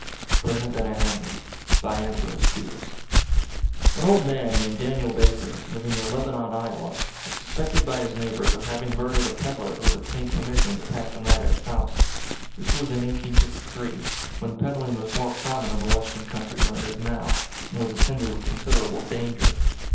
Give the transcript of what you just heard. —A. B. PRESENT AT A HANGING AN old man named Daniel Baker, living near Lebanon, Iowa, was suspected by his neighbors of having murdered a peddler who had obtained permission to pass the night at his house. This was in 1853, when peddling was more common in the Western country than it is now, and was attended with considerable danger.